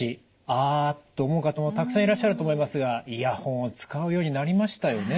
あと思う方もたくさんいらっしゃると思いますがイヤホンを使うようになりましたよね。